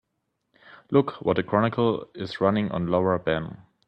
Look what the Chronicle is running on Laura Ben.